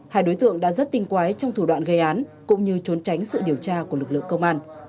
hai đối tượng đã rất tinh quái trong thủ đoạn gây án cũng như trốn tránh sự điều tra của lực lượng công an